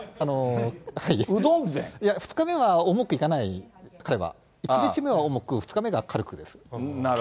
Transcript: ２日目は重くいかない、彼は１日目は重く、２日目は軽くです。